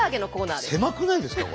狭くないですか？